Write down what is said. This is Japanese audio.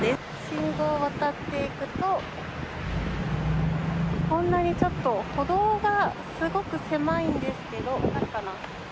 信号を渡っていくと、こんなにちょっと、歩道がすごく狭いんですけど、分かるかな。